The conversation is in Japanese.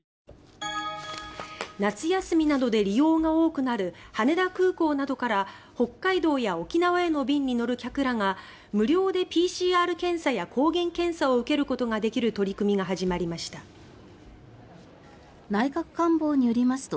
夏休みなどで利用が多くなる羽田空港などから北海道や沖縄への便に乗る客らが無料でＰＣＲ検査や抗原検査を受けることができる取り組みが始まりました。